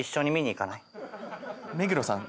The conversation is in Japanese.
目黒さん